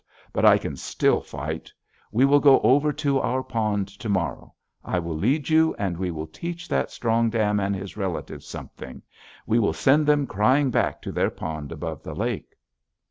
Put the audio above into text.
But I can still fight! We will go over to our pond to morrow. I will lead you, and we will teach that Strong Dam and his relatives something; we will send them crying back to their pond above the lake!'